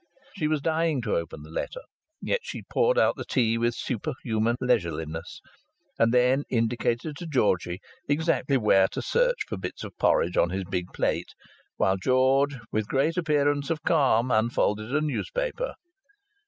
She was dying to open the letter, yet she poured out the tea with superhuman leisureliness, and then indicated to Georgie exactly where to search for bits of porridge on his big plate, while George with a great appearance of calm unfolded a newspaper.